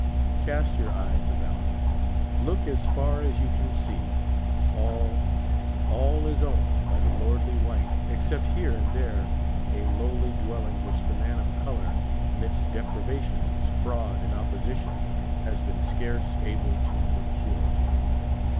Cast your eyes about, look as far as you can see ; all, all is owned by the lordly white, except here and there a lowl} dwell ing which the man of color, midst deprivations, fraud, and opposition has been scarce able to procure.